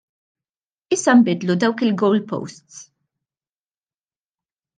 Issa nbiddlu dawk il-goalposts!